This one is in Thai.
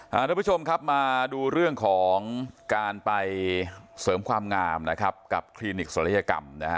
นะครับคุณผู้ชมมาดูเรื่องของการไปเสริมความงามนะครับกับคลีนิกศัลยกรรม